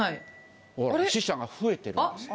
死者が増えてるんですよ。